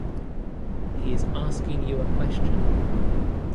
He is asking you a question.